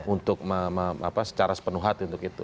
untuk secara sepenuh hati untuk itu